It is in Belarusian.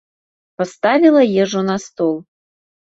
Паставіла ежу на стол.